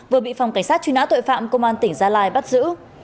vừa bị phòng cảnh sát truy nã tội phạm công an tỉnh gia lai bắt giữ